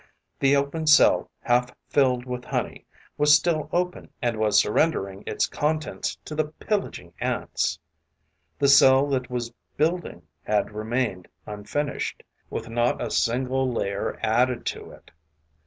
The open cell half filled with honey was still open and was surrendering its contents to the pillaging Ants; the cell that was building had remained unfinished, with not a single layer added to it.